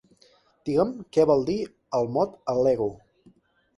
Digue'm què vol dir el mot al·lego.